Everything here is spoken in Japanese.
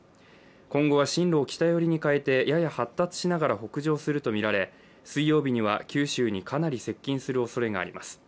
今後は進路を北寄りに変えて、やや発達しながら北上するとみられ水曜日には九州にかなり接近するおそれがあります。